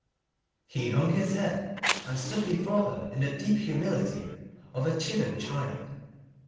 He hung his head and stood before her in the deep humility of a chidden child.